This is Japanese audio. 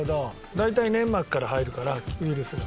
大体粘膜から入るからウイルスが。